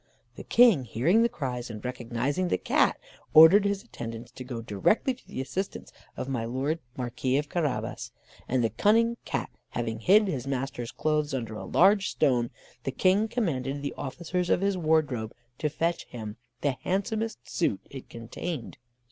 The King hearing the cries, and recognising the Cat, ordered his attendants to go directly to the assistance of my Lord Marquis of Carabas; and the cunning Cat having hid his master's clothes under a large stone, the King commanded the officers of his wardrobe to fetch him the handsomest suit it contained.